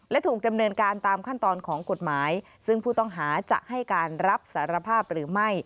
และถูกดำเนินการตามขั้นตอนของกฎหมายซึ่งผู้ต้องหาจะให้การรับสารภาพหรือไม่